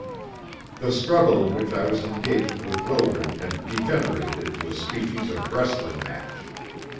The struggle in which I was engaged with Wildred had degenerated into a species of wrestling match.